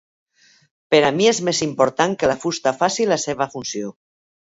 Per a mi és més important que la fusta faci la seva funció.